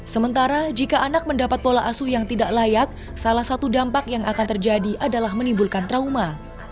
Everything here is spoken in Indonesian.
sementara jika anak mendapat pola asuh yang tidak layak salah satu dampak yang akan terjadi adalah menimbulkan trauma